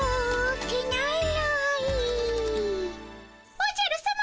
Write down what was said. おじゃるさま。